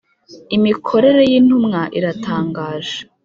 imikorere y ‘intumwa iratangaje.